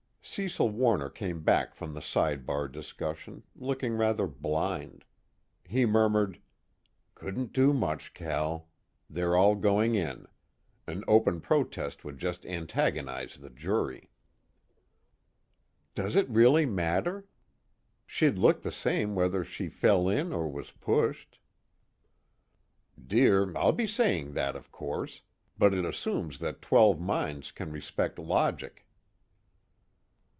Cecil Warner came back from the side bar discussion, looking rather blind. He murmured: "Couldn't do much, Cal. They're all going in. An open protest would just antagonize the jury." "Does it really matter? She'd look the same whether she fell in or was pushed." "Dear I'll be saying that of course. But it assumes that twelve minds can respect logic."